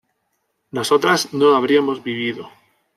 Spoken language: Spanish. nosotras no habríamos vivido